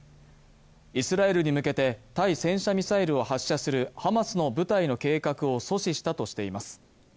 イスラエルに向けて対戦車ミサイルを発射するハマスの部隊の計画を阻止したとしています。